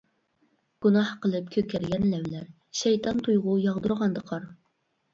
گۇناھ قىلىپ كۆكەرگەن لەۋلەر، شەيتان تۇيغۇ ياغدۇرغاندا قار.